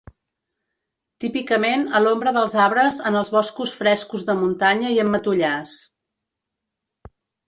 Típicament a l'ombra dels arbres en els boscos frescos de muntanya i en matollars.